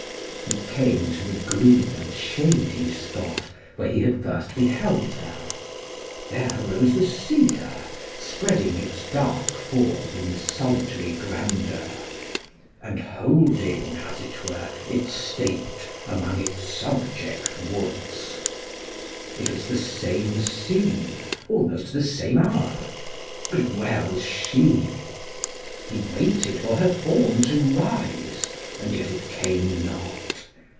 He came to the green and shady spot where he had first beheld her. There rose the cedar spreading its dark form in solitary grandeur, and holding, as it were, its state among its subject woods. It was the same scene, almost the same hour: but where was she? He waited for her form to rise, and yet it came not.